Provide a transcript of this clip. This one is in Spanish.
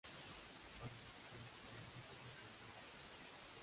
Para los que con honra defendieron...